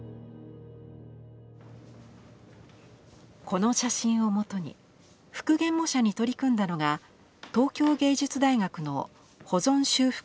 この写真をもとに復元模写に取り組んだのが東京藝術大学の保存修復